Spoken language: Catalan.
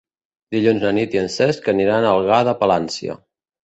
Dilluns na Nit i en Cesc aniran a Algar de Palància.